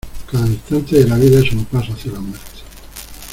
Cada instante de la vida es un paso hacia la muerte.